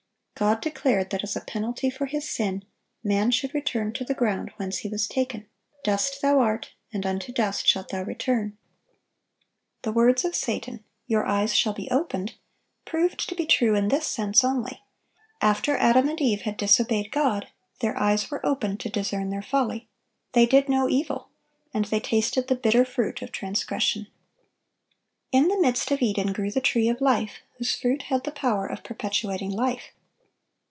God declared that as a penalty for his sin, man should return to the ground whence he was taken: "Dust thou art, and unto dust shalt thou return."(932) The words of Satan, "Your eyes shall be opened," proved to be true in this sense only: After Adam and Eve had disobeyed God, their eyes were opened to discern their folly; they did know evil, and they tasted the bitter fruit of transgression. In the midst of Eden grew the tree of life, whose fruit had the power of perpetuating life.